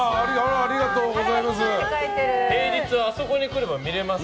ありがとうございます。